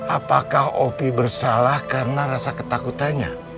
apakah opi bersalah karena rasa ketakutannya